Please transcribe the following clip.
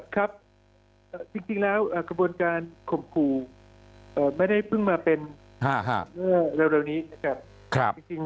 ครับจริงแล้วกระบวนการข่มขู่ไม่ได้เพิ่งมาเป็นเมื่อเร็วนี้นะครับ